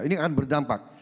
ini akan berdampak